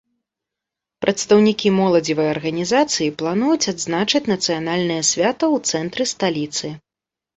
Прадстаўнікі моладзевай арганізацыі плануюць адзначыць нацыянальнае свята ў цэнтры сталіцы.